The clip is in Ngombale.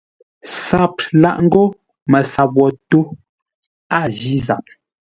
SAP laʼ ńgó MASAP wo tó, a jí zap.